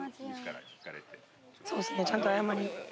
そうですね、ちゃんと謝りに。